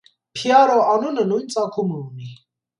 «Փիարօ» անունը նոյն ծագումը ունի։